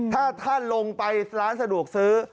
ถ้าท่านลงไปร้านสะดวกซื้อ